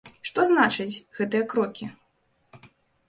Што значаць гэтыя крокі?